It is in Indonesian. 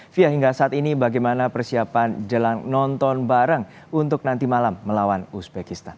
fia hingga saat ini bagaimana persiapan jelang nonton bareng untuk nanti malam melawan uzbekistan